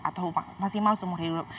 atau maksimal seumur hidup